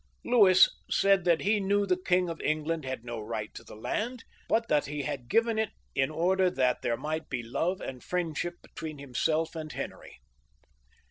Louis said that he knew the King of England had no right to the land, but that he had given it in order that there might be love and friendship between himself and Henry.